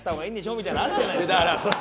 みたいなのあるじゃないですか。